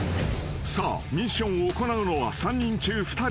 ［さあミッションを行うのは３人中２人］